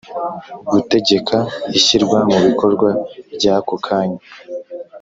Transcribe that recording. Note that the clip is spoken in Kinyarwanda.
Gutegeka ishyirwa mu bikorwa ry ako kanya